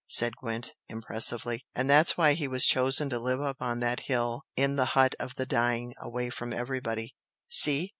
said Gwent, impressively "And that's why he was chosen to live up on that hill in the 'hut of the dying' away from everybody. See?